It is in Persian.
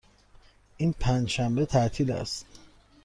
این پنج شنبه تعطیلات است.